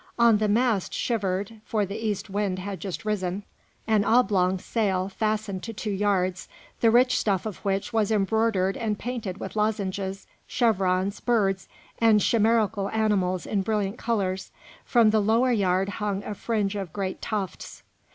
On the mast shivered for the east wind had just risen an oblong sail fastened to two yards, the rich stuff of which was embroidered and painted with lozenges, chevrons, birds, and chimerical animals in brilliant colours; from the lower yard hung a fringe of great tufts.